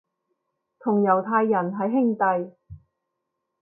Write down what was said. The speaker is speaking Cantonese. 同猶太人係兄弟